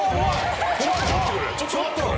ちょっと待ってくれ。